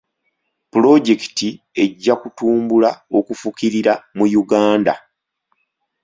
Pulojekiti ejja kutumbula okufukirira mu Uganda.